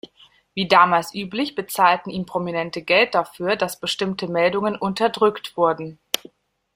Wie damals üblich, bezahlten ihm Prominente Geld dafür, dass bestimmte Meldungen unterdrückt wurden.